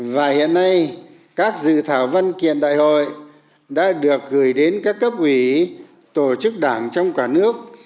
và hiện nay các dự thảo văn kiện đại hội đã được gửi đến các cấp ủy tổ chức đảng trong cả nước